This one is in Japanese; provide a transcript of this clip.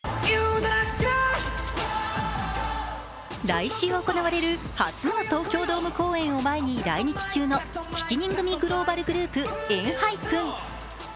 来週行われる初の東京ドーム公演を前に来日中の７人組グローバルグループ・ＥＮＨＹＰＥＮ。